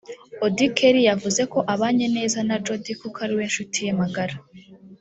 Auddy Kelly yavuze ko abanye neza na Jody kuko ariwe nshuti ye magara